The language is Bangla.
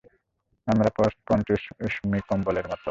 আমরা উষ্ণ পশমী কম্বলের মতো।